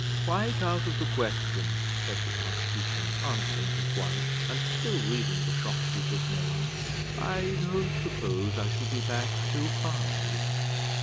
"Quite out of the question," said the archdeacon, answering his wife, and still reading the shopkeepers' names; "I don't suppose I shall be back till five."